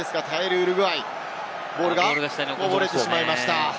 ウルグアイ、ボールがボールがこぼれてしまいました。